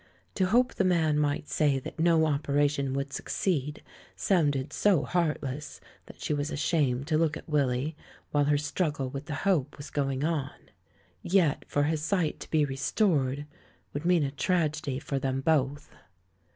To hope the man might say that no operation would succeed sounded so heartless that she was ashamed to look at Willy while her struggle with the hope was going on; yet for his sight to be restored would mean a tragedy for them both.